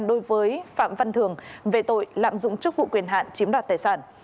đối với phạm văn thường về tội lạm dụng chức vụ quyền hạn chiếm đoạt tài sản